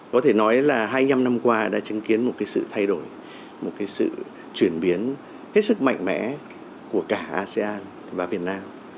có thể nói là hai mươi năm năm qua đã chứng kiến một sự thay đổi một sự chuyển biến hết sức mạnh mẽ của cả asean và việt nam